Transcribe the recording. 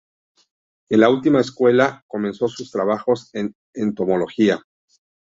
En la última escuela comenzó sus trabajos en entomología.